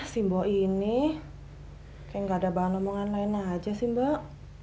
simbok ini kayak gak ada bahan omongan lain aja simbok